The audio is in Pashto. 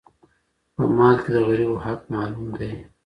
په مال کي د غریبو حق معلوم دی.